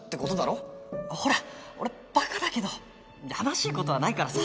ほら俺馬鹿だけどやましい事はないからさ。